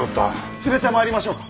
連れてまいりましょうか？